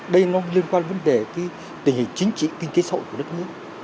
đây nó liên quan đến vấn đề tình hình chính trị kinh tế xã hội của đất nước